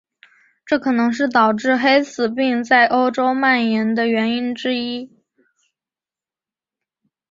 这可能是导致黑死病在欧洲蔓延的原因之一。